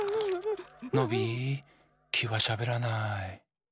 ノビーきはしゃべらない。